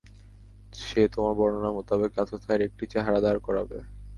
সে তোমার বর্ণনা মোতাবেক আততায়ীর একটা চেহারা দাঁড় করাবে।